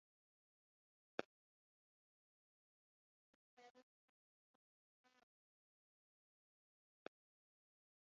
Phone haptic feedback বাড়িয়ে দিয়েছে।